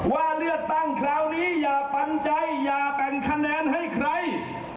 ว่าเลือกตั้งคราวนี้อย่าปันใจอย่าแต่งคะแนนให้ใคร